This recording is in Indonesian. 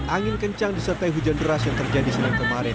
angin kencang disertai hujan beras yang terjadi selama kemarin